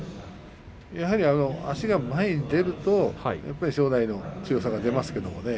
やはり足が前に出ると正代の強さが出ますけれどね。